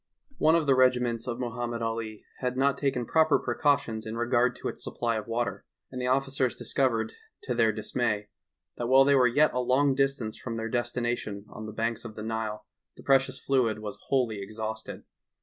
170 THE TALKING HANDKERCHIEF. One of the regiments of Mohammed Ali had not taken proper preeautions in regard to its supply of water, and the offieers discovered, to their dis may, that while they were yet a long distance from their destination on the banks of the Nile the precious fluid was wholly exhausted.